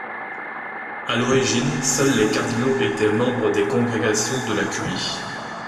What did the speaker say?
À l’origine, seuls les cardinaux étaient membres des congrégations de la curie.